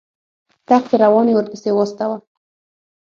تخت روان یې ورپسې واستاوه.